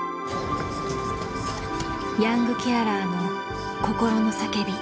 ヤングケアラーの心の叫び。